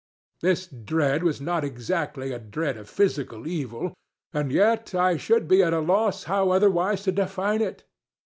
This dread was not exactly a dread of physical evilŌĆöand yet I should be at a loss how otherwise to define it.